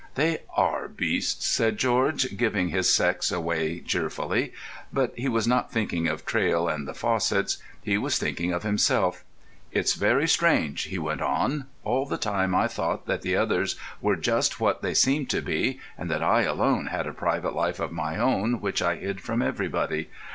"They are beasts," said George, giving his sex away cheerfully. But he was not thinking of Traill and the Fossetts; he was thinking of himself. "It's very strange," he went on; "all the time I thought that the others were just what they seemed to be, and that I alone had a private life of my own which I hid from everybody.